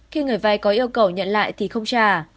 khi người vay có yêu cầu nhận lại thì không trả